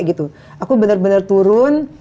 gitu aku bener bener turun